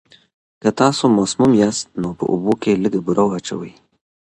که تاسو مسموم یاست، نو په اوبو کې لږه بوره واچوئ.